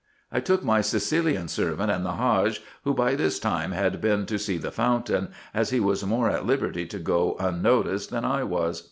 I took my Sicilian servant, and the Hadge, who by this time had been to see the fountain, as he was more at liberty to go unnoticed than I was.